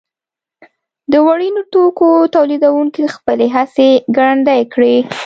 د وړینو توکو تولیدوونکو خپلې هڅې ګړندۍ کړې.